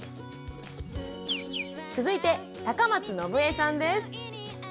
続いて高松伸枝さんです。